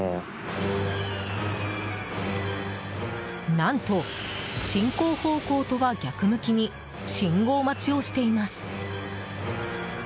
何と、進行方向とは逆向きに信号待ちをしています。